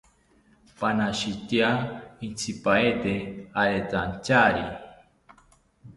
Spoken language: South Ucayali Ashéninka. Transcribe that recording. Panashitya intzipaete aretantyari